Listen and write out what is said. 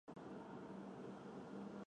此时医院设备人员匮乏。